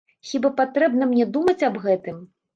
Хіба патрэбна мне думаць аб гэтым.